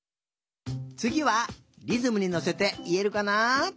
つぎはリズムにのせていえるかな？